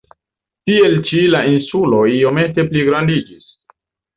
Tiel ĉi la insulo iomete pligrandiĝis.